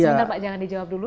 sebentar pak jangan dijawab dulu